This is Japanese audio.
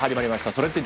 「それって！？